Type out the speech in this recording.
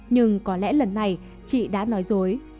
nhưng có lẽ lần này chị đã nói dối